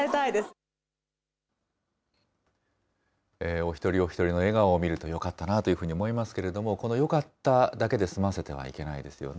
お一人お一人の笑顔を見ると、よかったなというふうに思いますけれども、このよかっただけで済ませてはいけないですよね。